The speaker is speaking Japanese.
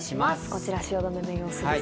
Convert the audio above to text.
こちら汐留の様子です。